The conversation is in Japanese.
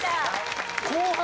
後半。